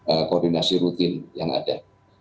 ada koordinasi rutin yang ada